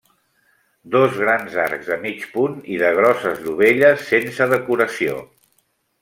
Dos grans arcs de mig punt i de grosses dovelles sense decoració.